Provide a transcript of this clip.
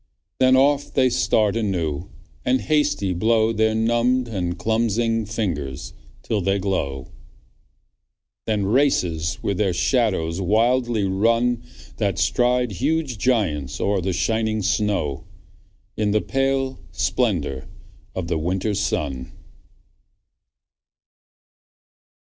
Then off they start anew and hasty blow Their numbed and clumpsing fingers till they glow; Then races with their shadows wildly run That stride huge giants o'er the shining snow In the pale splendour of the winter sun.